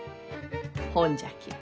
ほんじゃき